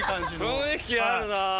雰囲気あるな。